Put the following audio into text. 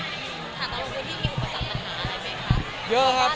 ถ้าต้องพื้นที่มีอุปสรรคมันขึ้นอะไรไหมครับ